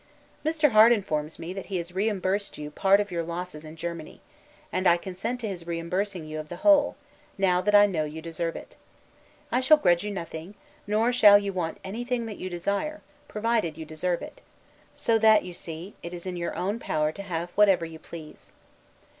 Mr. Harte informs me, that he has reimbursed you of part of your losses in Germany; and I consent to his reimbursing you of the whole, now that I know you deserve it. I shall grudge you nothing, nor shall you want anything that you desire, provided you deserve it; so that you see, it is in your own power to have whatever you please.